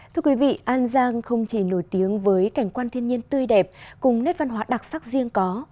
thưa quý vị an giang không chỉ nổi tiếng với cảnh quan thiên nhiên tươi đẹp cùng nét văn hóa đặc sắc riêng có